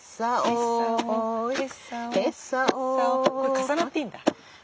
重なっていいんだ。